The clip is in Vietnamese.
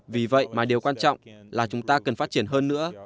vì vậy mà điều quan trọng là chúng ta cần phát triển hơn nữa